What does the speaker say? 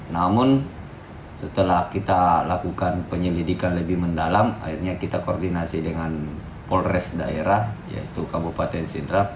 namun setelah kita lakukan penyelidikan lebih mendalam akhirnya kita koordinasi dengan polres daerah yaitu kabupaten sidrap